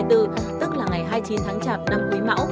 tức là ngày hai mươi chín tháng chạp năm quý mão